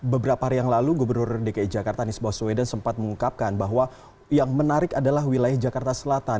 beberapa hari yang lalu gubernur dki jakarta nisbah sweden sempat mengungkapkan bahwa yang menarik adalah wilayah jakarta selatan